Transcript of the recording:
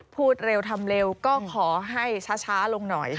พูดเร็วทำเร็วก็ขอให้ช้าลงหน่อย